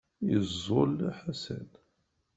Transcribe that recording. Yeẓẓul Ḥasan.